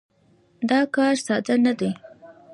دا کار ساده نه دی.